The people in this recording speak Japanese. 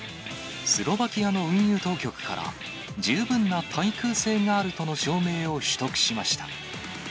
スロバキアの運輸当局から十分な耐空性があるとの証明を取得しました。